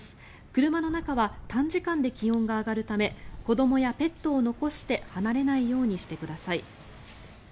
車の中は短時間で気温が上がるため子どもやペットを残して離れないようにしてください。